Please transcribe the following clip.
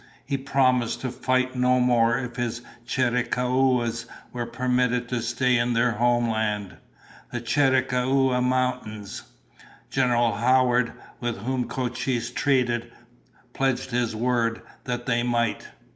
He promised to fight no more if his Chiricahuas were permitted to stay in their homeland, the Chiricahua Mountains. General Howard, with whom Cochise treated, pledged his word that they might.